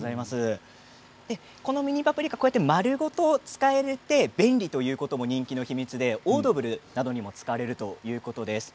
このミニパプリカは丸ごと使えて便利ということでオードブルなどにも使われるそうです。